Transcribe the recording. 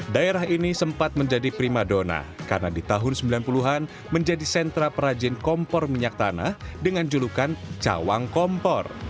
daerah ini sempat menjadi prima dona karena di tahun sembilan puluh an menjadi sentra perajin kompor minyak tanah dengan julukan cawang kompor